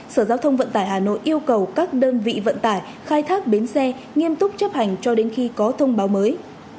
sở giao thông vận tải hà nội yêu cầu các đơn vị vận tải khai thác bến xe nghiêm túc chấp hành cho đến khi có thông báo mới